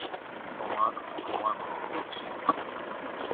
তোমার ঘুমানো উচিৎ।